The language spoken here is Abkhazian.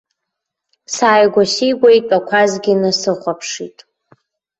Сааигәа-сигәа итәақәазгьы насыхәаԥшит.